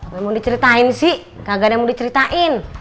gak mau diceritain sih kagak mau diceritain